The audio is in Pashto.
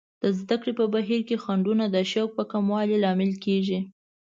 د زده کړې په بهیر کې خنډونه د شوق په کموالي لامل کیږي.